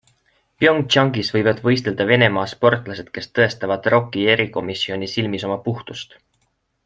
Pyeongchangis võivad võistelda Venemaa sportlased, kes tõestavad ROKi erikomisjoni silmis oma puhtust.